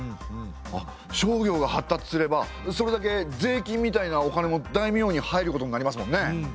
あっ商業が発達すればそれだけ税金みたいなお金も大名に入ることになりますもんね。